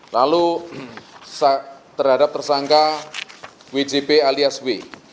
lalu terhadap tersangka wjp alias w